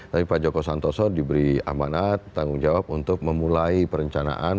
tapi pak joko santoso diberi amanat tanggung jawab untuk memulai perencanaan